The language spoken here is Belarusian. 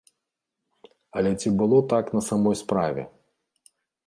Але ці было так на самой справе?